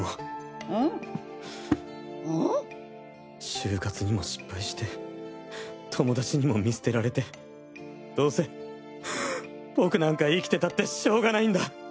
就活にも失敗して友達にも見捨てられてどせ僕なんか生きてたってしょうがないんだっ！